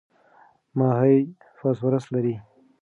ماهي فاسفورس لري.